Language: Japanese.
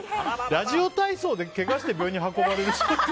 ラジオ体操でけがして病院に運ばれるって。